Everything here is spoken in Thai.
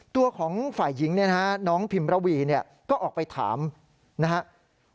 ตัวของฝ่ายหญิงน้องพิมรวีก็ออกไปถามนะครับ